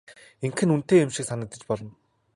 Ингэх нь үнэтэй юм шиг санагдаж болно.